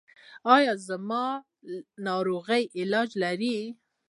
ایا زما ناروغي علاج لري؟